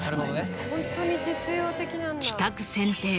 企画選定